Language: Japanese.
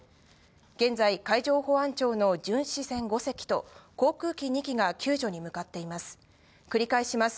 現在、海上保安庁の巡視船５隻と、航空機２機が救助に向かっています。